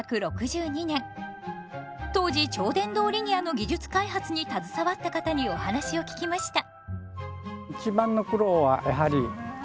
当時超電動リニアの技術開発に携わった方にお話を聞きました。